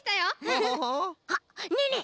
あっねえねえ！